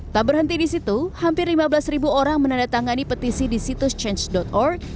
tak berhenti di situ hampir lima belas ribu orang menandatangani petisi di situs change org